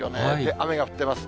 雨が降ってます。